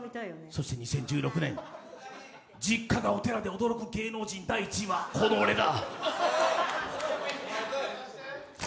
そして２０１６年、実家がお寺で驚く芸能人第１位は、この俺だ！